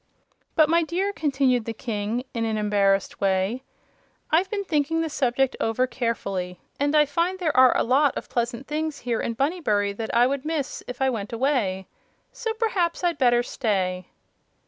"But, my dear," continued the King, in an embarrassed way, "I've been thinking the subject over carefully, and I find there are a lot of pleasant things here in Bunnybury that I would miss if I went away. So perhaps I'd better stay."